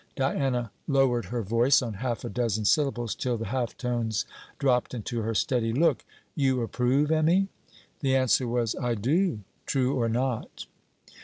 Diana lowered her voice on half a dozen syllables, till the half tones dropped into her steady look. 'You approve, Emmy?' The answer was: 'I do true or not.'